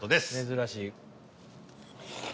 珍しい。